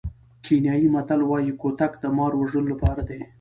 کینیايي متل وایي کوتک د مار وژلو لپاره دی.